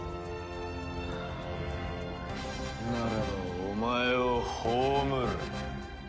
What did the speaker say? ならばお前を葬る。